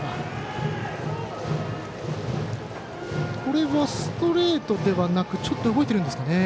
これはストレートではなくちょっと動いてるんでしょうか。